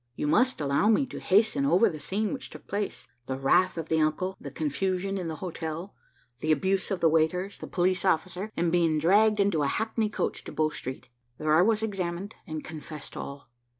You must allow me to hasten over the scene which took place, the wrath of the uncle, the confusion in the hotel, the abuse of the waiters, the police officer, and being dragged into a hackney coach to Bow street. There I was examined, and confessed all.